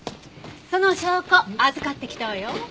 その証拠預かってきたわよ。